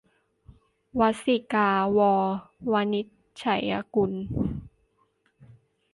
วัสสิกา - ว วินิจฉัยกุล